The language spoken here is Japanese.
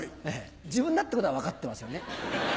自分だってことは分かってますよね？